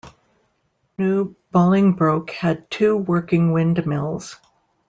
New Bolingbroke had two working windmills.